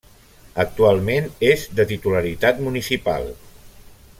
Actualment és de titularitat municipal.